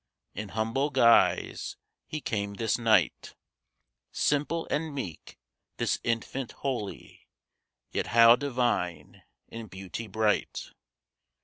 In humble guise he came this night, Simple and meek, this infant holy, Yet how divine in beauty bright.